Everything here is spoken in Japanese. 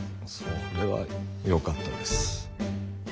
それはよかったです。